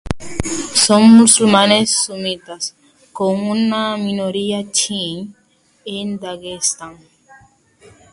Son musulmanes sunitas, con una minoría chií en Daguestán.